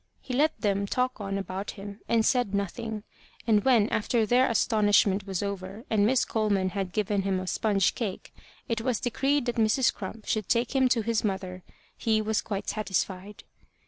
He let them talk on about him, and said nothing; and when, after their astonishment was over, and Miss Coleman had given him a sponge cake, it was decreed that Mrs. Crump should take him to his mother, he was quite satisfied.